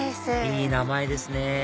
いい名前ですね